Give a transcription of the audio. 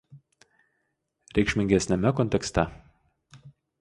reikšmingesniame kontekste